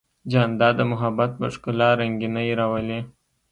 جانداد د محبت په ښکلا رنګینی راولي.